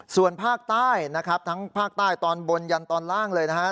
ส่วนภาคใต้นะครับทั้งภาคใต้ตอนบนยันตอนล่างเลยนะฮะ